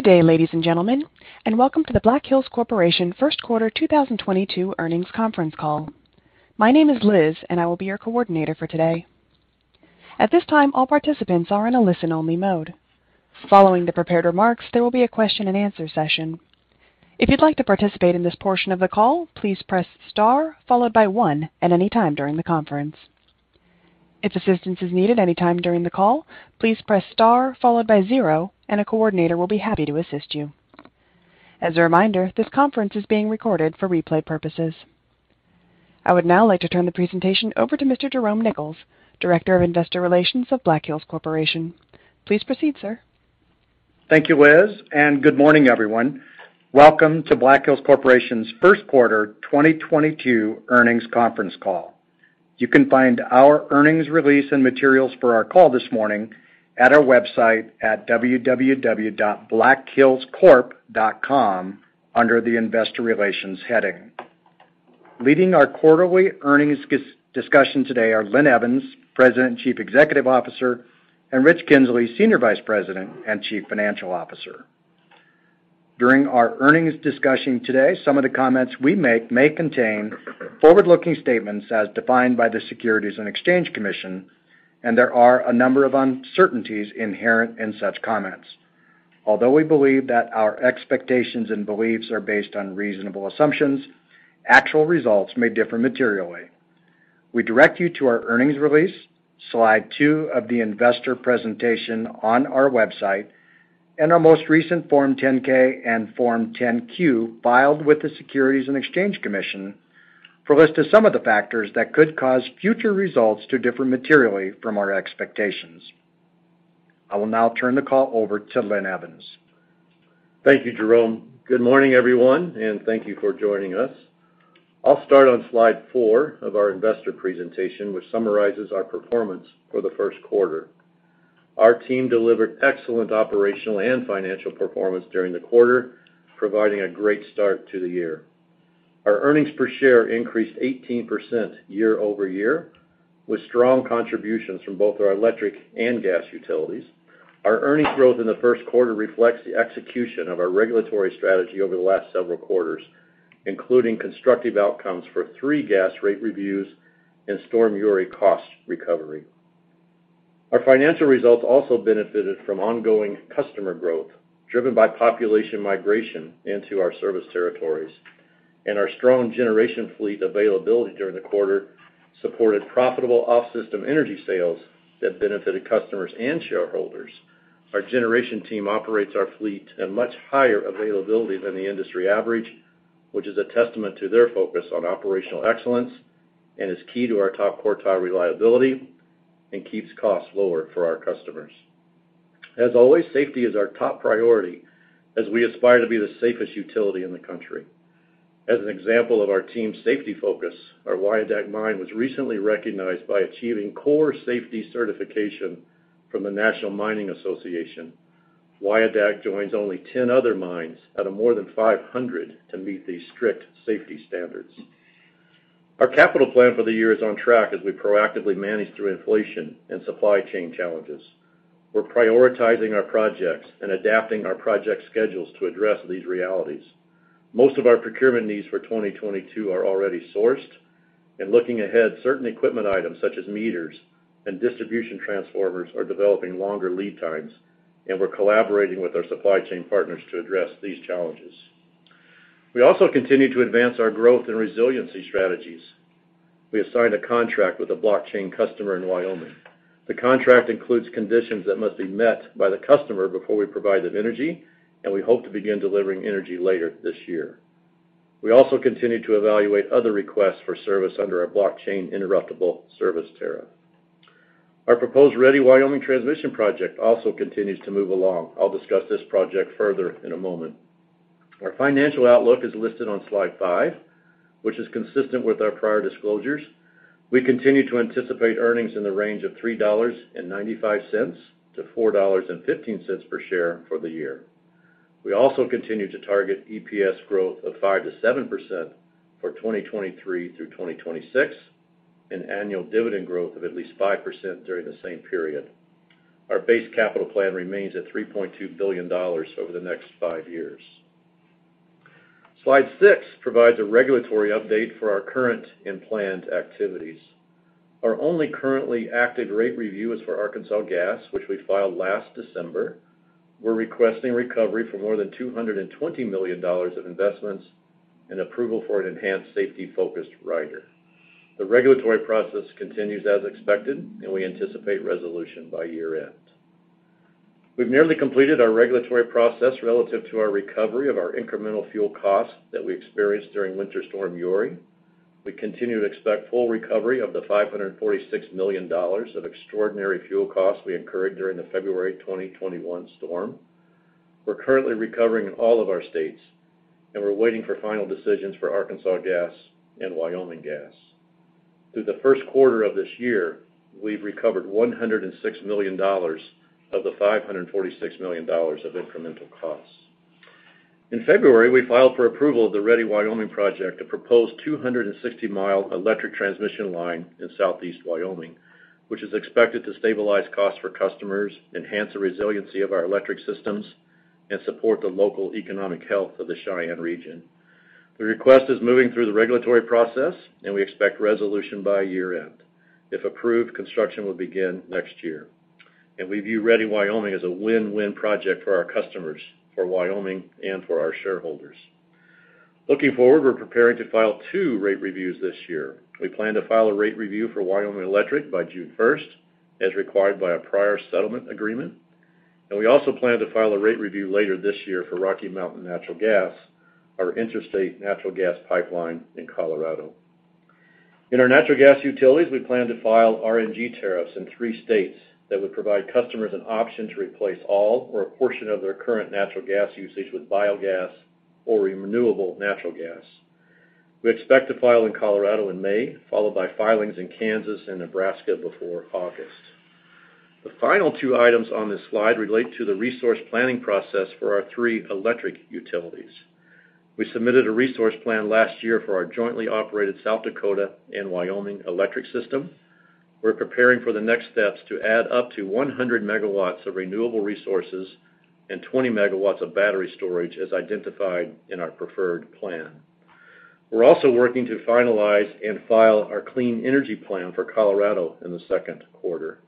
Good day, ladies and gentlemen, and welcome to the Black Hills Corporation First Quarter 2022 Earnings Conference Call. My name is Liz, and I will be your coordinator for today. At this time, all participants are in a listen-only mode. Following the prepared remarks, there will be a question-and-answer session. If you'd like to participate in this portion of the call, please press star followed by one at any time during the conference. If assistance is needed any time during the call, please press star followed by zero, and a coordinator will be happy to assist you. As a reminder, this conference is being recorded for replay purposes. I would now like to turn the presentation over to Mr. Jerome Nichols, Director of Investor Relations of Black Hills Corporation. Please proceed, sir. Thank you, Liz, and good morning, everyone. Welcome to Black Hills Corporation's First Quarter 2022 Earnings Conference Call. You can find our earnings release and materials for our call this morning at our website at www.blackhillscorp.com under the Investor Relations heading. Leading our quarterly earnings discussion today are Linn Evans, President and Chief Executive Officer, and Rich Kinzley, Senior Vice President and Chief Financial Officer. During our earnings discussion today, some of the comments we make may contain forward-looking statements as defined by the Securities and Exchange Commission, and there are a number of uncertainties inherent in such comments. Although we believe that our expectations and beliefs are based on reasonable assumptions, actual results may differ materially. We direct you to our earnings release, slide two of the investor presentation on our website, and our most recent Form 10-K and Form 10-Q filed with the Securities and Exchange Commission for a list of some of the factors that could cause future results to differ materially from our expectations. I will now turn the call over to Linn Evans. Thank you, Jerome. Good morning, everyone, and thank you for joining us. I'll start on slide four of our investor presentation, which summarizes our performance for the first quarter. Our team delivered excellent operational and financial performance during the quarter, providing a great start to the year. Our earnings per share increased 18% year-over-year with strong contributions from both our electric and gas utilities. Our earnings growth in the first quarter reflects the execution of our regulatory strategy over the last several quarters, including constructive outcomes for three gas rate reviews and Storm Uri cost recovery. Our financial results also benefited from ongoing customer growth driven by population migration into our service territories. Our strong generation fleet availability during the quarter supported profitable off-system energy sales that benefited customers and shareholders. Our generation team operates our fleet at much higher availability than the industry average, which is a testament to their focus on operational excellence and is key to our top quartile reliability and keeps costs lower for our customers. As always, safety is our top priority as we aspire to be the safest utility in the country. As an example of our team's safety focus, our Wyodak Mine was recently recognized by achieving CORESafety certification from the National Mining Association. Wyodak joins only 10 other mines out of more than 500 to meet these strict safety standards. Our capital plan for the year is on track as we proactively manage through inflation and supply chain challenges. We're prioritizing our projects and adapting our project schedules to address these realities. Most of our procurement needs for 2022 are already sourced. Looking ahead, certain equipment items such as meters and distribution transformers are developing longer lead times, and we're collaborating with our supply chain partners to address these challenges. We also continue to advance our growth and resiliency strategies. We have signed a contract with a blockchain customer in Wyoming. The contract includes conditions that must be met by the customer before we provide them energy, and we hope to begin delivering energy later this year. We also continue to evaluate other requests for service under our blockchain interruptible service tariff. Our proposed Ready Wyoming transmission project also continues to move along. I'll discuss this project further in a moment. Our financial outlook is listed on slide five, which is consistent with our prior disclosures. We continue to anticipate earnings in the range of $3.95-$4.15 per share for the year. We also continue to target EPS growth of 5%-7% for 2023 through 2026, an annual dividend growth of at least 5% during the same period. Our base capital plan remains at $3.2 billion over the next five years. Slide six provides a regulatory update for our current and planned activities. Our only currently active rate review is for Arkansas Gas, which we filed last December. We're requesting recovery for more than $220 million of investments and approval for an enhanced safety-focused rider. The regulatory process continues as expected, and we anticipate resolution by year-end. We've nearly completed our regulatory process relative to our recovery of our incremental fuel costs that we experienced during Winter Storm Uri. We continue to expect full recovery of the $546 million of extraordinary fuel costs we incurred during the February 2021 storm. We're currently recovering in all of our states, and we're waiting for final decisions for Arkansas Gas and Wyoming Gas. Through the first quarter of this year, we've recovered $106 million of the $546 million of incremental costs. In February, we filed for approval of the Ready Wyoming project, a proposed 260-mile electric transmission line in Southeast Wyoming, which is expected to stabilize costs for customers, enhance the resiliency of our electric systems, and support the local economic health of the Cheyenne region. The request is moving through the regulatory process, and we expect resolution by year-end. If approved, construction will begin next year, and we view Ready Wyoming as a win-win project for our customers, for Wyoming, and for our shareholders. Looking forward, we're preparing to file two rate reviews this year. We plan to file a rate review for Wyoming Electric by June first, as required by a prior settlement agreement, and we also plan to file a rate review later this year for Rocky Mountain Natural Gas, our interstate natural gas pipeline in Colorado. In our natural gas utilities, we plan to file RNG tariffs in three states that would provide customers an option to replace all or a portion of their current natural gas usage with biogas or renewable natural gas. We expect to file in Colorado in May, followed by filings in Kansas and Nebraska before August. The final two items on this slide relate to the resource planning process for our three electric utilities. We submitted a resource plan last year for our jointly operated South Dakota and Wyoming electric system. We're preparing for the next steps to add up to 100 MW of renewable resources and 20 MW of battery storage as identified in our preferred plan. We're also working to finalize and file our clean energy plan for Colorado in the second quarter.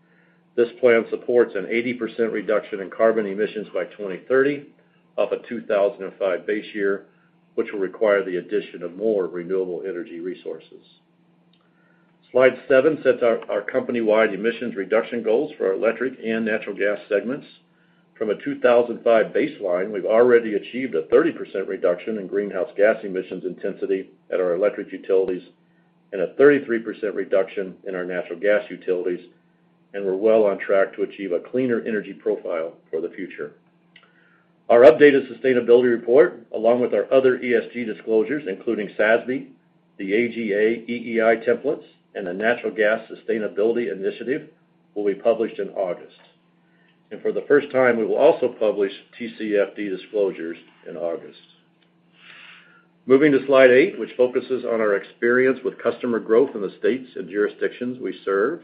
This plan supports an 80% reduction in carbon emissions by 2030 off a 2005 base year, which will require the addition of more renewable energy resources. Slide seven sets our company-wide emissions reduction goals for our electric and natural gas segments. From a 2005 baseline, we've already achieved a 30% reduction in greenhouse gas emissions intensity at our electric utilities and a 33% reduction in our natural gas utilities, and we're well on track to achieve a cleaner energy profile for the future. Our updated sustainability report, along with our other ESG disclosures, including SASB, the AGA, EEI templates, and the Natural Gas Sustainability Initiative, will be published in August. For the first time, we will also publish TCFD disclosures in August. Moving to slide eight, which focuses on our experience with customer growth in the states and jurisdictions we serve.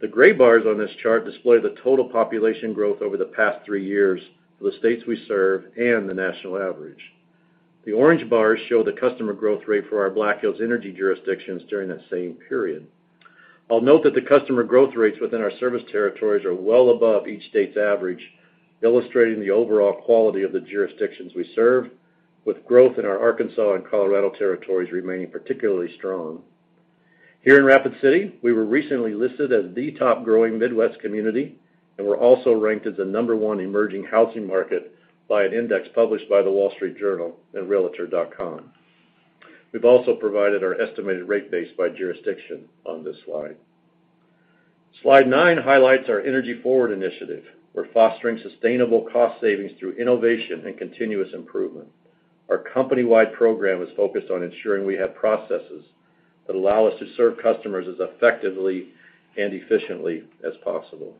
The gray bars on this chart display the total population growth over the past three years for the states we serve and the national average. The orange bars show the customer growth rate for our Black Hills Energy jurisdictions during that same period. I'll note that the customer growth rates within our service territories are well above each state's average, illustrating the overall quality of the jurisdictions we serve, with growth in our Arkansas and Colorado territories remaining particularly strong. Here in Rapid City, we were recently listed as the top growing Midwest community, and we're also ranked as the number one emerging housing market by an index published by The Wall Street Journal and Realtor.com. We've also provided our estimated rate base by jurisdiction on this slide. Slide nine highlights our Energy Forward initiative. We're fostering sustainable cost savings through innovation and continuous improvement. Our company-wide program is focused on ensuring we have processes that allow us to serve customers as effectively and efficiently as possible.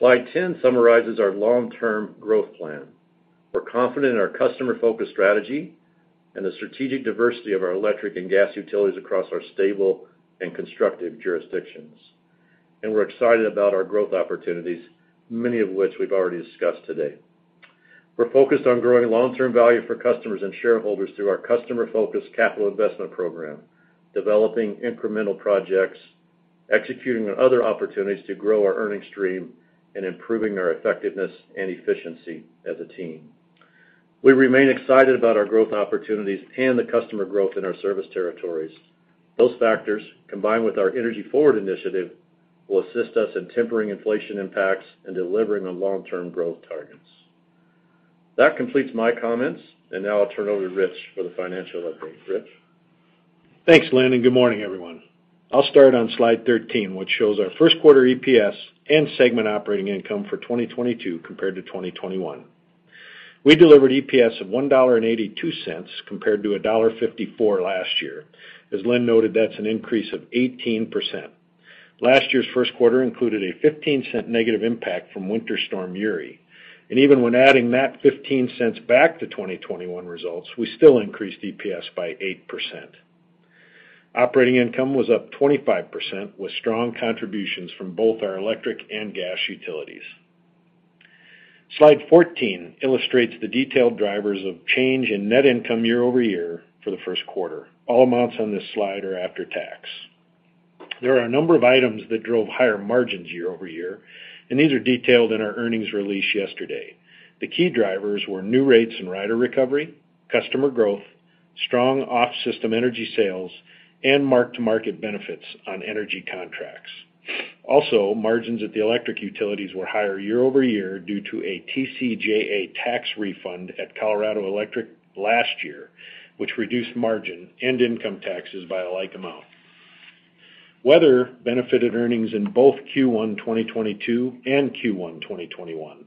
Slide 10 summarizes our long-term growth plan. We're confident in our customer-focused strategy and the strategic diversity of our electric and gas utilities across our stable and constructive jurisdictions. We're excited about our growth opportunities, many of which we've already discussed today. We're focused on growing long-term value for customers and shareholders through our customer-focused capital investment program, developing incremental projects, executing on other opportunities to grow our earnings stream, and improving our effectiveness and efficiency as a team. We remain excited about our growth opportunities and the customer growth in our service territories. Those factors, combined with our Energy Forward initiative, will assist us in tempering inflation impacts and delivering on long-term growth targets. That completes my comments, and now I'll turn over to Rich for the financial update. Rich? Thanks, Linn, and good morning, everyone. I'll start on slide 13, which shows our first quarter EPS and segment operating income for 2022 compared to 2021. We delivered EPS of $1.82 compared to $1.54 last year. As Linn noted, that's an increase of 18%. Last year's first quarter included a $0.15 negative impact from Winter Storm Uri, and even when adding that $0.15 back to 2021 results, we still increased EPS by 8%. Operating income was up 25% with strong contributions from both our electric and gas utilities. Slide 14 illustrates the detailed drivers of change in net income year-over-year for the first quarter. All amounts on this slide are after tax. There are a number of items that drove higher margins year-over-year, and these are detailed in our earnings release yesterday. The key drivers were new rates and rider recovery, customer growth, strong off-system energy sales, and mark-to-market benefits on energy contracts. Also, margins at the electric utilities were higher year-over-year due to a TCJA tax refund at Colorado Electric last year, which reduced margin and income taxes by a like amount. Weather benefited earnings in both Q1 2022 and Q1 2021.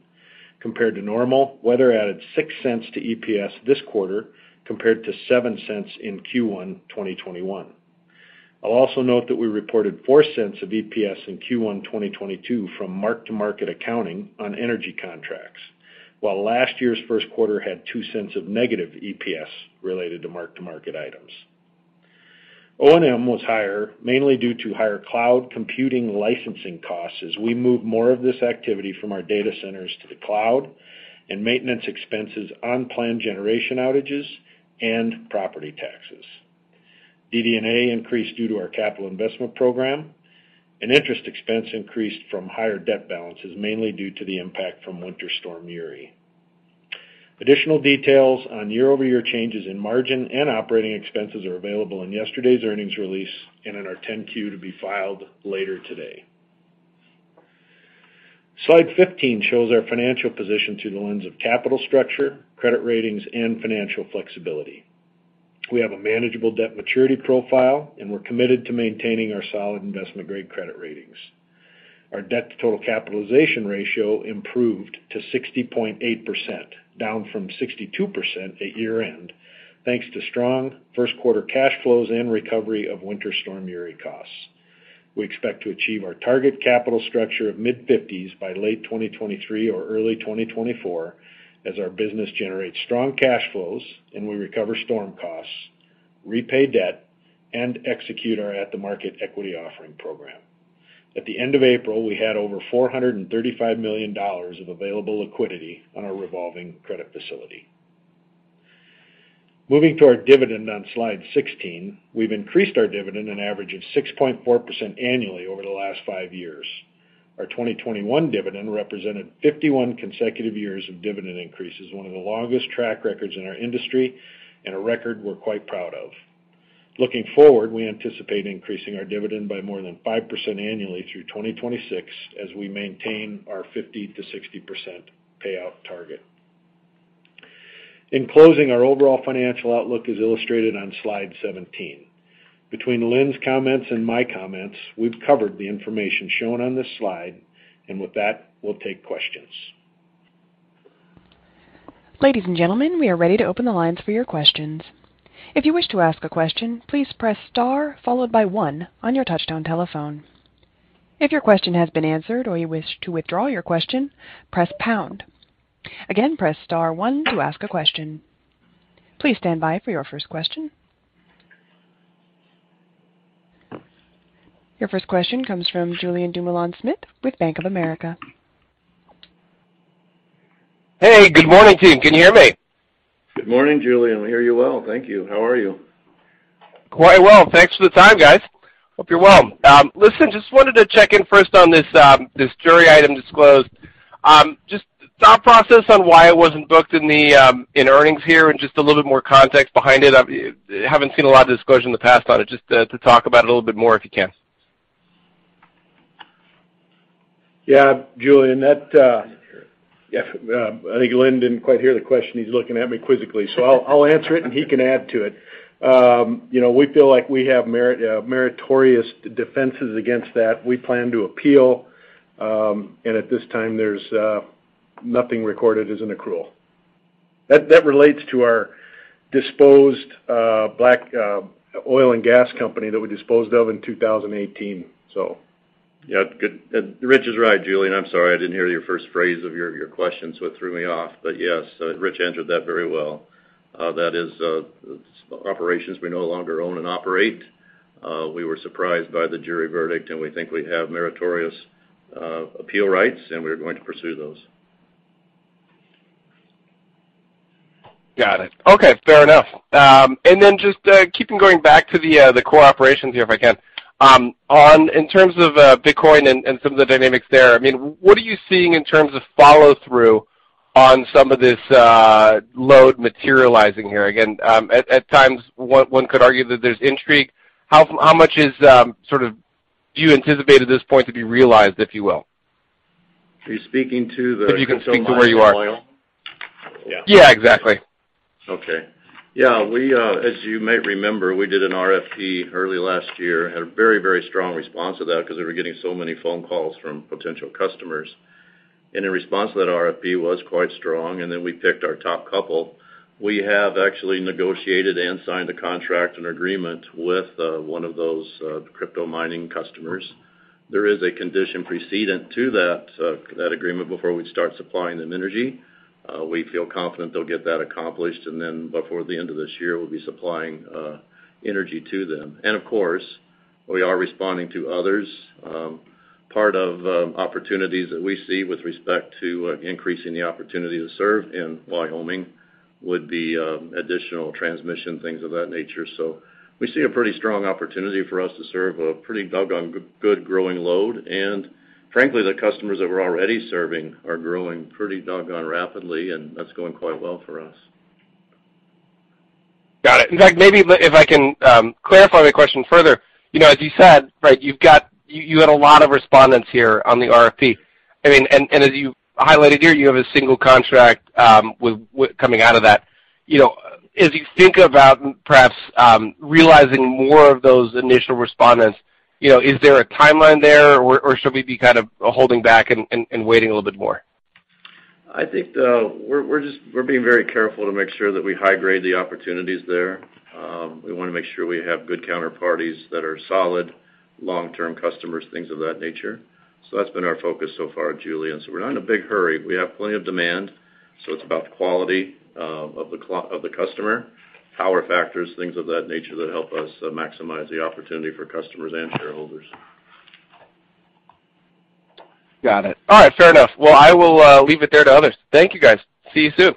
Compared to normal, weather added $0.06 to EPS this quarter compared to $0.07 in Q1 2021. I'll also note that we reported $0.04 of EPS in Q1 2022 from mark-to-market accounting on energy contracts, while last year's first quarter had $0.02 of negative EPS related to mark-to-market items. O&M was higher, mainly due to higher cloud computing licensing costs as we move more of this activity from our data centers to the cloud and maintenance expenses on planned generation outages and property taxes. DD&A increased due to our capital investment program, and interest expense increased from higher debt balances, mainly due to the impact from Winter Storm Uri. Additional details on year-over-year changes in margin and operating expenses are available in yesterday's earnings release and in our 10-Q to be filed later today. Slide 15 shows our financial position through the lens of capital structure, credit ratings, and financial flexibility. We have a manageable debt maturity profile, and we're committed to maintaining our solid investment-grade credit ratings. Our debt-to-total capitalization ratio improved to 60.8%, down from 62% at year-end, thanks to strong first quarter cash flows and recovery of Winter Storm Uri costs. We expect to achieve our target capital structure of mid-50s by late 2023 or early 2024 as our business generates strong cash flows and we recover storm costs, repay debt, and execute our at-the-market equity offering program. At the end of April, we had over $435 million of available liquidity on our revolving credit facility. Moving to our dividend on slide 16. We've increased our dividend an average of 6.4% annually over the last five years. Our 2021 dividend represented 51 consecutive years of dividend increases, one of the longest track records in our industry and a record we're quite proud of. Looking forward, we anticipate increasing our dividend by more than 5% annually through 2026 as we maintain our 50%-60% payout target. In closing, our overall financial outlook is illustrated on slide 17. Between Linn's comments and my comments, we've covered the information shown on this slide, and with that, we'll take questions. Ladies and gentlemen, we are ready to open the lines for your questions. If you wish to ask a question, please press star followed by one on your touch-tone telephone. If your question has been answered or you wish to withdraw your question, press pound. Again, press star one to ask a question. Please stand by for your first question. Your first question comes from Julien Dumoulin-Smith with Bank of America. Hey, good morning, team. Can you hear me? Good morning, Julien. We hear you well. Thank you. How are you? Quite well. Thanks for the time, guys. Hope you're well. Listen, just wanted to check in first on this jury item disclosed. Just thought process on why it wasn't booked in the earnings here and just a little bit more context behind it. Haven't seen a lot of disclosure in the past on it. Just to talk about it a little bit more, if you can. Yeah, Julien, that. Can you hear him? Yeah. I think Linn didn't quite hear the question. He's looking at me quizzically. I'll answer it, and he can add to it. You know, we feel like we have meritorious defenses against that. We plan to appeal, and at this time, there's nothing recorded as an accrual. That relates to our disposed Black Hills oil and gas company that we disposed of in 2018. Yeah. Good. Rich is right, Julien. I'm sorry. I didn't hear your first phrase of your question, so it threw me off. Yes, Rich answered that very well. That is operations we no longer own and operate. We were surprised by the jury verdict, and we think we have meritorious appeal rights, and we're going to pursue those. Got it. Okay. Fair enough. Keeping going back to the core operations here, if I can. In terms of Bitcoin and some of the dynamics there, I mean, what are you seeing in terms of follow-through on some of this load materializing here? Again, at times, one could argue that there's intrigue. How much is sort of do you anticipate at this point to be realized, if you will? Are you speaking to the crypto mining in Wyoming? If you can speak to where you are. Yeah. Yeah, exactly. Okay. Yeah. We, as you may remember, we did an RFP early last year and had a very, very strong response to that because we were getting so many phone calls from potential customers. The response to that RFP was quite strong, and then we picked our top couple. We have actually negotiated and signed a contract and agreement with one of those crypto mining customers. There is a condition precedent to that agreement before we start supplying them energy. We feel confident they'll get that accomplished, and then before the end of this year, we'll be supplying energy to them. Of course, we are responding to others. Part of opportunities that we see with respect to increasing the opportunity to serve in Wyoming would be additional transmission, things of that nature. We see a pretty strong opportunity for us to serve a pretty doggone good growing load. Frankly, the customers that we're already serving are growing pretty doggone rapidly, and that's going quite well for us. Got it. In fact, maybe if I can clarify my question further. You know, as you said, right, you had a lot of respondents here on the RFP. I mean, and as you highlighted here, you have a single contract with coming out of that. You know, as you think about perhaps realizing more of those initial respondents, you know, is there a timeline there, or should we be kind of holding back and waiting a little bit more? I think we're being very careful to make sure that we high grade the opportunities there. We wanna make sure we have good counterparties that are solid, long-term customers, things of that nature. That's been our focus so far, Julien. We're not in a big hurry. We have plenty of demand, so it's about the quality of the customer, power factors, things of that nature that help us maximize the opportunity for customers and shareholders. Got it. All right, fair enough. Well, I will leave it there to others. Thank you, guys. See you soon.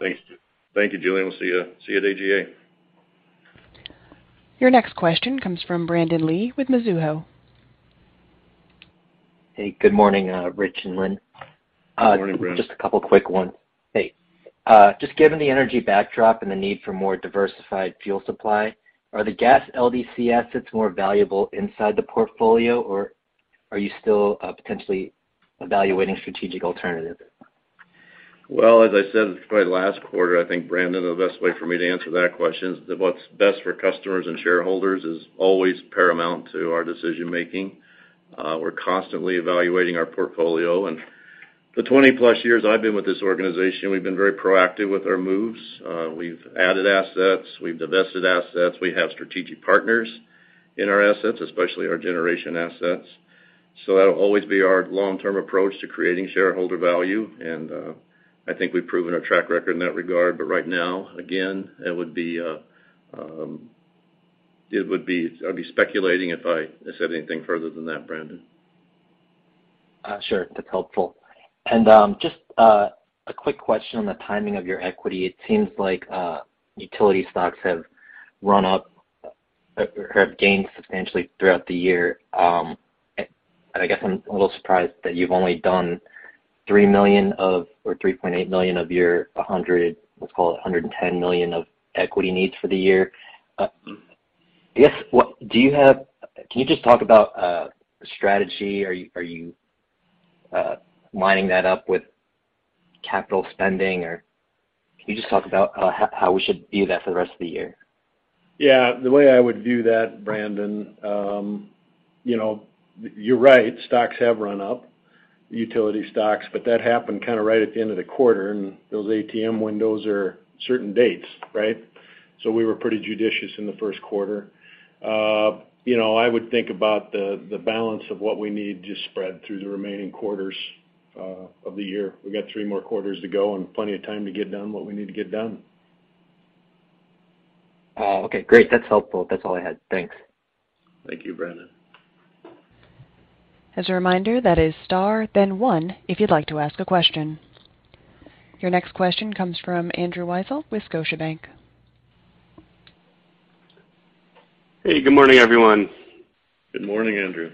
Thank you, Julien. See you at AGA. Your next question comes from Brandon Lee with Mizuho. Hey, good morning, Rich and Linn. Good morning, Brandon. Just a couple quick ones. Hey, just given the energy backdrop and the need for more diversified fuel supply, are the gas LDCs assets more valuable inside the portfolio, or are you still, potentially evaluating strategic alternatives? Well, as I said probably last quarter, I think, Brandon, the best way for me to answer that question is that what's best for customers and shareholders is always paramount to our decision-making. We're constantly evaluating our portfolio, and the 20+ years I've been with this organization, we've been very proactive with our moves. We've added assets, we've divested assets, we have strategic partners in our assets, especially our generation assets. That'll always be our long-term approach to creating shareholder value, and I think we've proven our track record in that regard. Right now, again, I'd be speculating if I said anything further than that, Brandon. Sure. That's helpful. Just a quick question on the timing of your equity. It seems like utility stocks have run up or have gained substantially throughout the year. I guess I'm a little surprised that you've only done $3 million or $3.8 million of your $110 million of equity needs for the year. I guess, can you just talk about strategy? Are you lining that up with capital spending, or can you just talk about how we should view that for the rest of the year? Yeah. The way I would view that, Brandon, you know, you're right, stocks have run up, utility stocks, but that happened kind of right at the end of the quarter, and those ATM windows are certain dates, right? So we were pretty judicious in the first quarter. You know, I would think about the balance of what we need to spread through the remaining quarters of the year. We got three more quarters to go and plenty of time to get done what we need to get done. Oh, okay. Great. That's helpful. That's all I had. Thanks. Thank you, Brandon. As a reminder, that is star then one if you'd like to ask a question. Your next question comes from Andrew Weisel with Scotiabank. Hey, good morning, everyone. Good morning, Andrew.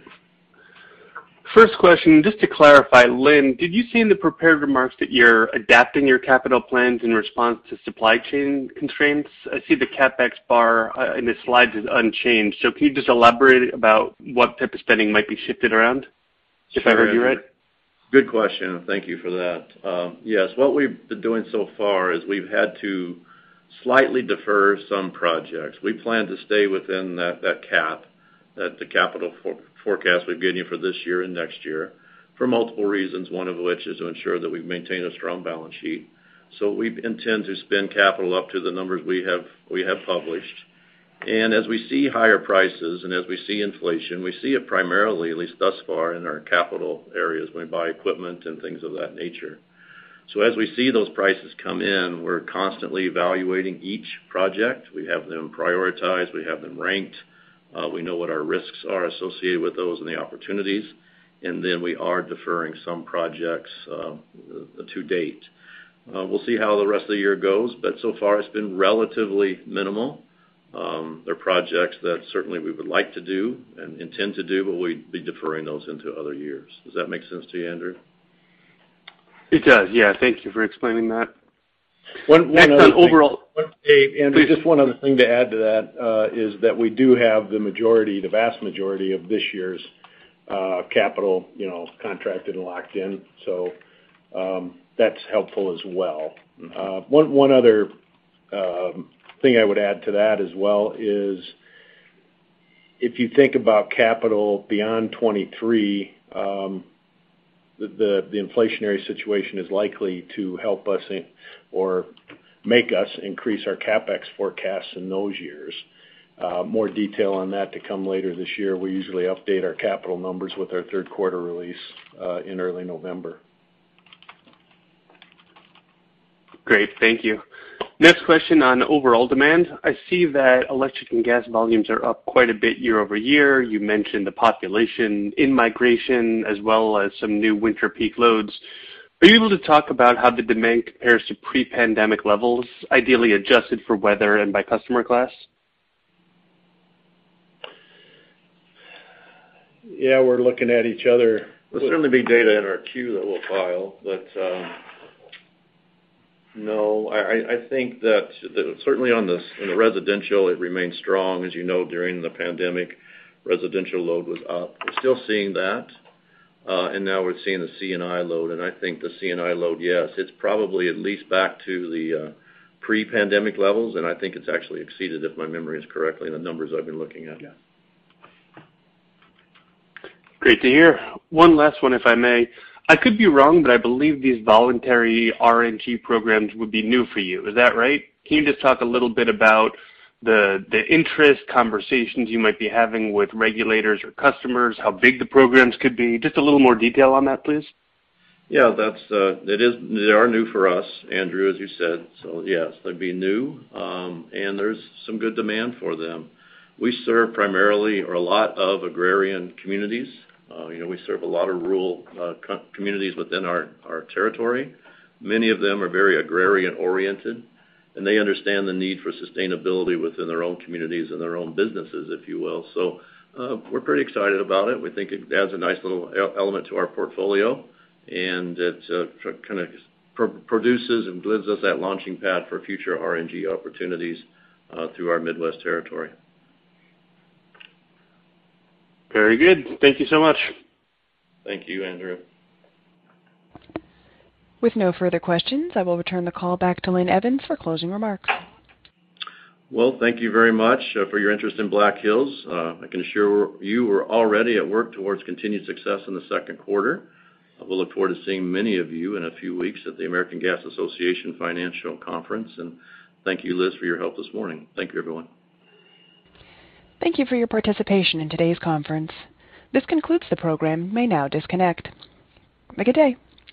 First question, just to clarify, Linn, did you see in the prepared remarks that you're adapting your capital plans in response to supply chain constraints? I see the CapEx bar in the slides is unchanged. Can you just elaborate about what type of spending might be shifted around, if I heard you right? Good question. Thank you for that. Yes. What we've been doing so far is we've had to slightly defer some projects. We plan to stay within that cap, the capital forecast we've given you for this year and next year, for multiple reasons, one of which is to ensure that we maintain a strong balance sheet. We intend to spend capital up to the numbers we have published. As we see higher prices and as we see inflation, we see it primarily, at least thus far, in our capital areas when we buy equipment and things of that nature. As we see those prices come in, we're constantly evaluating each project. We have them prioritized. We have them ranked. We know what our risks are associated with those and the opportunities, and then we are deferring some projects to date. We'll see how the rest of the year goes, but so far it's been relatively minimal. There are projects that certainly we would like to do and intend to do, but we'd be deferring those into other years. Does that make sense to you, Andrew? It does, yeah. Thank you for explaining that. One other thing. Next on overall Hey, Andrew, just one other thing to add to that is that we do have the majority, the vast majority of this year's capital, you know, contracted and locked in. That's helpful as well. One other thing I would add to that as well is if you think about capital beyond 2023, the inflationary situation is likely to help us in or make us increase our CapEx forecasts in those years. More detail on that to come later this year. We usually update our capital numbers with our third quarter release in early November. Great. Thank you. Next question on overall demand. I see that electric and gas volumes are up quite a bit year-over-year. You mentioned the population in-migration as well as some new winter peak loads. Are you able to talk about how the demand compares to pre-pandemic levels, ideally adjusted for weather and by customer class? Yeah, we're looking at each other. There'll certainly be data in our Q that we'll file. No, I think that certainly in the residential it remains strong. As you know, during the pandemic, residential load was up. We're still seeing that, and now we're seeing the C&I load. I think the C&I load, yes, it's probably at least back to the pre-pandemic levels, and I think it's actually exceeded, if my memory is correct and the numbers I've been looking at. Great to hear. One last one, if I may. I could be wrong, but I believe these voluntary RNG programs would be new for you. Is that right? Can you just talk a little bit about the initial conversations you might be having with regulators or customers, how big the programs could be? Just a little more detail on that, please. Yeah, that's. They are new for us, Andrew, as you said. Yes, they'd be new, and there's some good demand for them. We serve primarily or a lot of agrarian communities. You know, we serve a lot of rural communities within our territory. Many of them are very agrarian-oriented, and they understand the need for sustainability within their own communities and their own businesses, if you will. We're pretty excited about it. We think it adds a nice little element to our portfolio, and it kind of produces and gives us that launching pad for future RNG opportunities through our Midwest territory. Very good. Thank you so much. Thank you, Andrew. With no further questions, I will return the call back to Linn Evans for closing remarks. Well, thank you very much for your interest in Black Hills. I can assure you we're already at work towards continued success in the second quarter. We'll look forward to seeing many of you in a few weeks at the American Gas Association Financial Conference. Thank you, Liz, for your help this morning. Thank you, everyone. Thank you for your participation in today's conference. This concludes the program. You may now disconnect. Have a good day.